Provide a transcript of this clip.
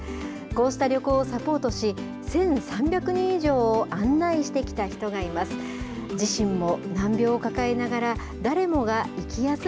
こうした旅行をサポートし、１３００人以上を案内してきた人がいます。